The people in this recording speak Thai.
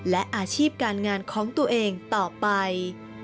และอาชีพการงานของตัวเองต่อไป